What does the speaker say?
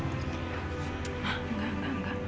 ma enggak enggak enggak